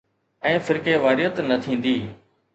۽ فرقيواريت نه ٿيندي.